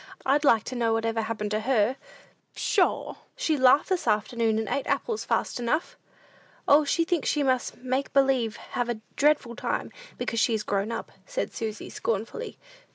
"I'd like to know what ever happened to her? Pshaw! She laughed this afternoon, and ate apples fast enough!" "O, she thinks she must make believe have a dreadful time, because she is grown up," said Susy, scornfully.